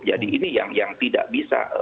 jadi ini yang tidak bisa